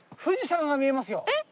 えっ？